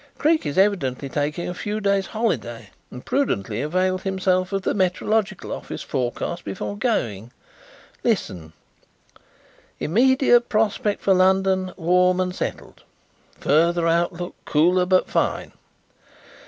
Creake is evidently taking a few days' holiday and prudently availed himself of the Meteorological Office forecast before going. Listen: '_Immediate prospect for London warm and settled. Further outlook cooler but fine.